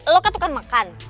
lo katukan makan